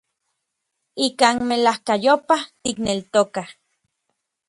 Ikan melajkayopaj tikneltokaj.